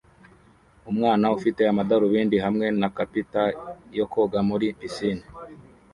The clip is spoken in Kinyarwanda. Umwana ufite amadarubindi hamwe na capita yo koga muri pisine